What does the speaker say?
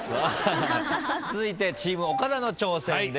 続いてチーム岡田の挑戦です。